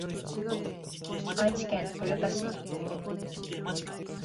愛知県豊田市